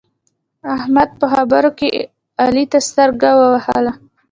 احمد په خبرو کې علي ته سترګه ووهله.